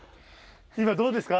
今どうですか？